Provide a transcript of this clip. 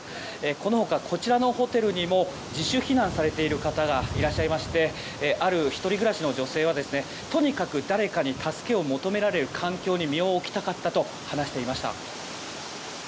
この他、こちらのホテルにも自主避難されている方がいらっしゃいましてある１人暮らしの女性はとにかく誰かに助けを求められる環境に身を置きたかったと話していました。